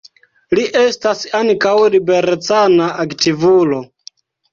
Li estas ankaŭ liberecana aktivulo.